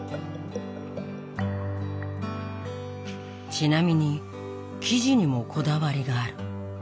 ちなみに「生地」にもこだわりがある。